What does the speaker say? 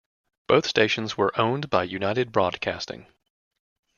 Both stations were owned by United Broadcasting.